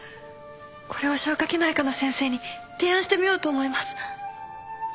これを消化器内科の先生に提案してみようと思います。